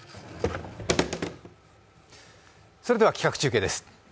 それでは企画中継です。